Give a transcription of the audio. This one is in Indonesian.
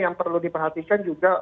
yang perlu diperhatikan juga